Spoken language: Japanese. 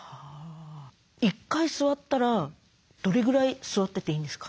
１回座ったらどれぐらい座ってていいんですか？